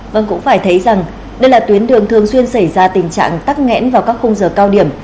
vâng cũng phải thấy rằng đây là tuyến đường thường xuyên xảy ra tình trạng tắc nghẽn vào các khung giờ cao điểm